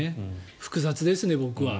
複雑ですね、僕は。